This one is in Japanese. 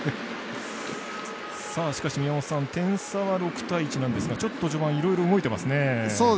しかし、宮本さん点差は６対１なんですがちょっと序盤いろいろ動いてますね。